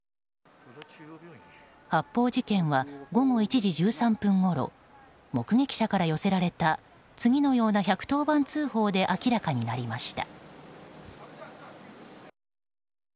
発砲事件は午後１時１３分ごろ目撃者から寄せられた次のような１１０番通報で明らかになりました。